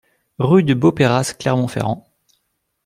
Rue de Beaupeyras, Clermont-Ferrand